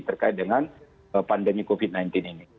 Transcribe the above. terkait dengan pandemi covid sembilan belas ini